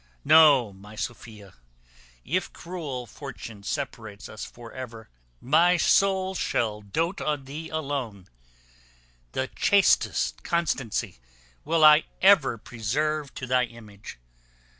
No, my Sophia, if cruel fortune separates us for ever, my soul shall doat on thee alone. The chastest constancy will I ever preserve to thy image.